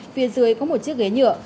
phía dưới có một chiếc ghế nhựa